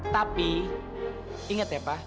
tapi inget ya pak